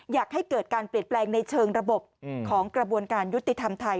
อยากให้เกิดการเปลี่ยนแปลงในเชิงระบบของกระบวนการยุติธรรมไทย